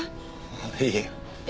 あいいえ。